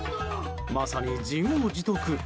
まさに自業自得。